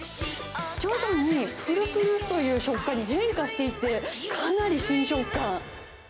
徐々にぷるぷるっていう食感に変化していって、かなり新食感。